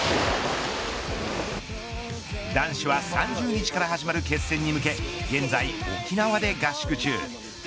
男子は３０日から始まる決戦に向け現在、沖縄で合宿中。